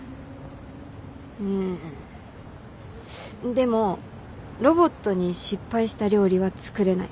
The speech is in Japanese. でもロボットに失敗した料理は作れない。